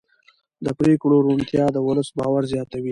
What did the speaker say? د پرېکړو روڼتیا د ولس باور زیاتوي